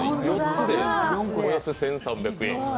４つでおよそ１３００円。